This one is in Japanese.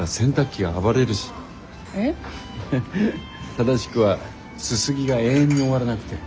正しくはすすぎが永遠に終わらなくて。